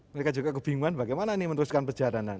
mereka juga kebingungan bagaimana ini meneruskan perjalanan